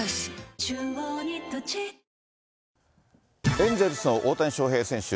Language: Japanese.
エンゼルスの大谷翔平選手。